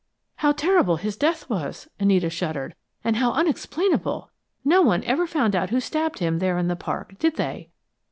"How terrible his death was!" Anita shuddered. "And how unexplainable! No one ever found out who stabbed him, there in the park, did they?"